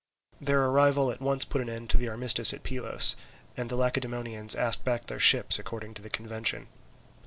Their arrival at once put an end to the armistice at Pylos, and the Lacedaemonians asked back their ships according to the convention.